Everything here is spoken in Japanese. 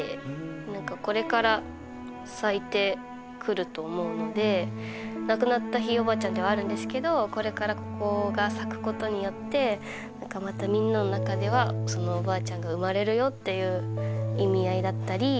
何かこれから咲いてくると思うので亡くなったひいおばあちゃんではあるんですけどこれからここが咲くことによって何かまたみんなの中ではおばあちゃんが生まれるよっていう意味合いだったり。